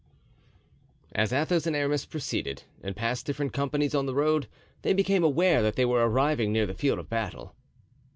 As Athos and Aramis proceeded, and passed different companies on the road, they became aware that they were arriving near the field of battle.